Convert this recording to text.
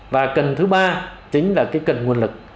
và cần thứ ba chính là cái cần nguồn lực